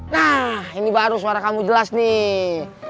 nah ini baru suara kamu jelas nih